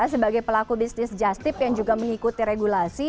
sebagai pelaku bisnis just tip yang juga mengikuti regulasi